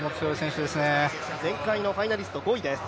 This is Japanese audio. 前回のファイナリスト、５位です。